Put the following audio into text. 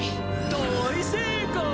大正解！